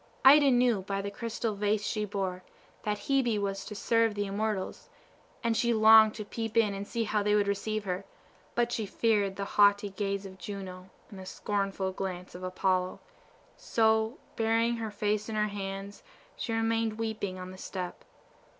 Ida knew by the crystal vase she bore, that Hebe was to serve the immortals, and she longed to peep in and see how they would receive her; but she feared the haughty gaze of Juno, and the scornful glance of Apollo; so, burying her face in her hands, she remained weeping on the step.